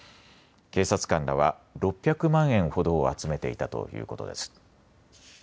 警察官らは６００万円ほどを集めていたということです。